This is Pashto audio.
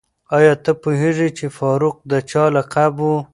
آیا ته پوهېږې چې فاروق د چا لقب و؟